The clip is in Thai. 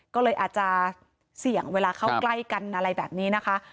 ก็เลยอาจจะเสี่ยงเวลาเข้าใกล้กันอะไรแบบนี้นะคะ